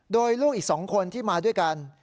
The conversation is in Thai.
โดยลูกอีก๒คนที่มาด้วยกัน